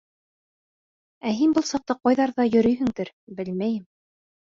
Ә һин был саҡта ҡайҙарҙа йөрөйһөңдөр, белмәйем.